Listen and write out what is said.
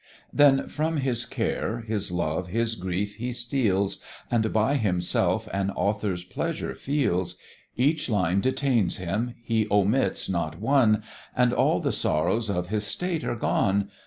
Then from his care, his love, his grief, he steals, And by himself an Author's pleasure feels: Each line detains him; he omits not one, And all the sorrows of his state are gone.